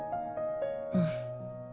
うん。